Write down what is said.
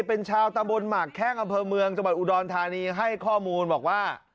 เป็นชาวตำบลหมากแข้งอำเภอเมืองจังหวัดอุดรธานีให้ข้อมูลบอกว่า